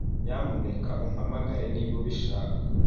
Nyamuneka umpamagare niba ubishaka.